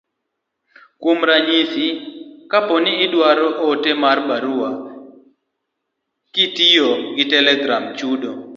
Kuom ranyisi, kapo ni idwaro oro ote mar barua kitiyo gi telegram, chudo